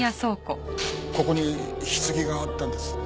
ここに棺があったんです。